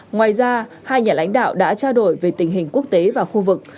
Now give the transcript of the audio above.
ngoài ra hai nhà lãnh đạo đã trao đổi về tình hình quốc tế và khu vực